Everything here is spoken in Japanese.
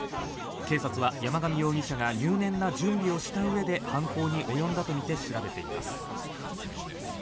警察は、山上容疑者が入念な準備をしたうえで犯行に及んだとみて調べています。